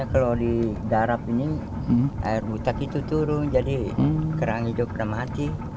kalau di darap ini air buta itu turun jadi kerang hijau pernah mati